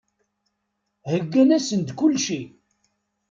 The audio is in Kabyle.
Heyyan-asen-d kulci.